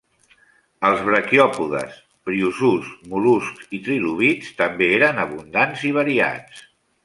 Els braquiòpodes, briozous, mol·luscs i trilobits també eren abundants i variats.